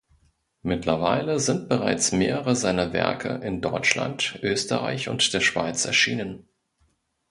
Mittlerweile sind bereits mehrere seiner Werke in Deutschland, Österreich und der Schweiz erschienen.